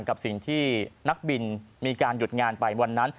กับสิ่งที่นักบินมีการหยุดงานไปวันนั้น